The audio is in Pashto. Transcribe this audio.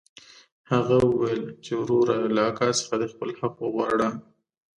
هغه وويل چې وروره له اکا څخه دې خپل حق وغواړه.